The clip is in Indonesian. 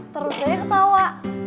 terus aja ketawa